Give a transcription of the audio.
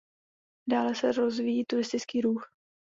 Dále se rozvíjí turistický ruch.